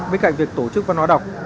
bên cạnh việc tổ chức văn hóa đọc